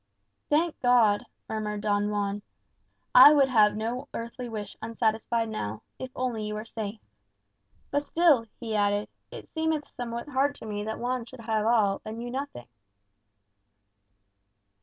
"Thank God," murmured Don Juan. "I would have no earthly wish unsatisfied now if only you were safe. But still," he added, "it seemeth somewhat hard to me that Juan should have all, and you nothing."